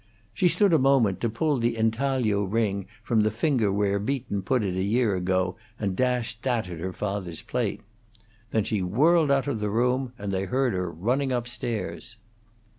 She stood a moment to pull the intaglio ring from the finger where Beaton put it a year ago, and dashed that at her father's plate. Then she whirled out of the room, and they heard her running up stairs.